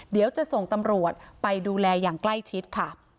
เดี๋ยวจะส่งตำรวจไปดูแลอย่างใกล้ชิดค่ะ